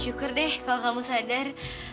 syukur deh kalau kamu sadar